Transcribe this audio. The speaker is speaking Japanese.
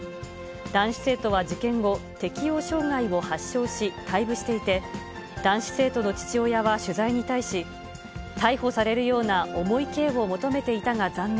男子生徒は事件後、適応障害を発症し、退部していて、男子生徒の父親は取材に対し、逮捕されるような重い刑を求めていたが残念。